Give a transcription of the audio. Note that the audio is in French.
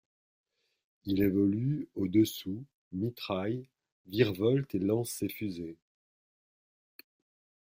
Il évolue au-dessous, mitraille, virevolte et lance ses fusées.